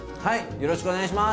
よろしくお願いします。